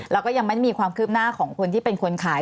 แล้วก็ยังไม่ได้มีความคืบหน้าของคนที่เป็นคนขาย